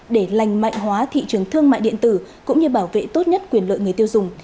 để lành mạnh hóa thị trường thương mại điện tử cũng như bảo vệ tốt nhất quyền lợi người tiêu dùng